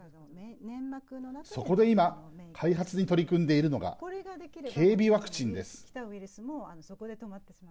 そこで今開発に取り組んでいるのが経鼻ワクチンです。